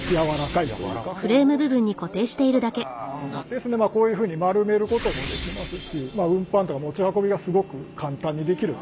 ですんでまあこういうふうに丸めることもできますし運搬とか持ち運びがすごく簡単にできる。